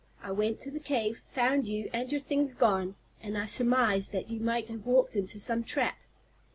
I went to the cave, found you and your things gone, and I surmised that you might have walked into some trap."